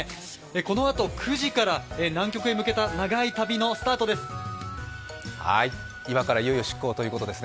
このあと９時から南極へ向けた長い旅の出発です。